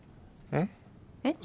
えっ？えっ？